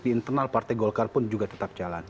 di internal partai golkar pun juga tetap jalan